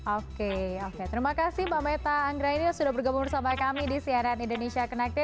oke oke terima kasih mbak maitha anggra ini sudah bergabung bersama kami di siaran indonesia kenakti